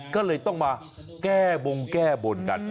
ก็เลยต้องมาแก้บงแก้บนกัน